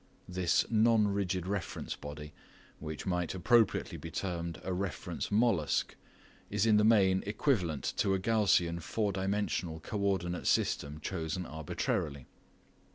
This non rigid reference body, which might appropriately be termed a "reference mollusc", is in the main equivalent to a Gaussian four dimensional co ordinate system chosen arbitrarily.